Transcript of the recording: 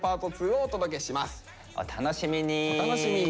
お楽しみに。